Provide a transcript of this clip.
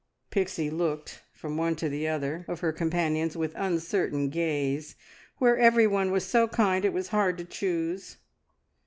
Pixie looked from one to the other of her companions with uncertain gaze. Where everyone was so kind it was hard to choose.